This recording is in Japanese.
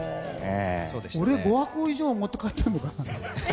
俺、５箱以上持って帰ってたな。